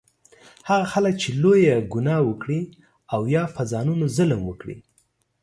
هغه خلک چې لویه ګناه وکړي او یا په ځانونو ظلم وکړي